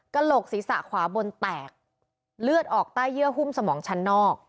โหลกศีรษะขวาบนแตกเลือดออกใต้เยื่อหุ้มสมองชั้นนอก